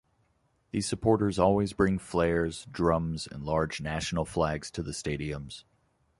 These supporters always bring flares, drums and large national flags to the stadiums.